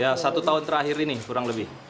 ya satu tahun terakhir ini kurang lebih